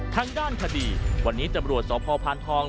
ทางด้านคดีวันนี้ตำรวจสพพานทอง